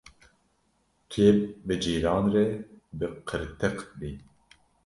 Tu yê bi cîran re bi qirtiq bî.